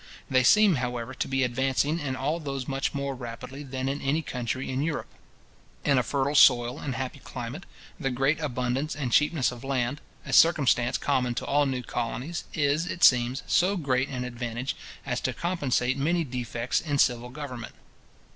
They seem, however, to be advancing in all those much more rapidly than any country in Europe. In a fertile soil and happy climate, the great abundance and cheapness of land, a circumstance common to all new colonies, is, it seems, so great an advantage, as to compensate many defects in civil government.